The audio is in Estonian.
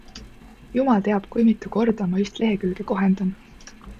Jumal teab, kui mitu korda ma üht lehekülge kohendan.